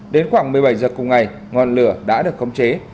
đến khoảng một mươi bảy h cùng ngày ngọn lửa đã được khống chế